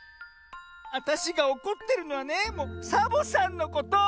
わたしがおこってるのはねサボさんのこと。